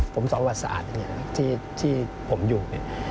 ผมสอบป่อสะอาดที่ผมอยู่